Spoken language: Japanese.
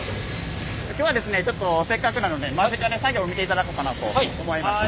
今日はですねちょっとせっかくなので間近で作業を見ていただこうかなと思います。